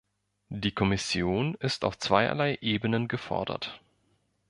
Die Kommission ist auf zweierlei Ebenen gefordert.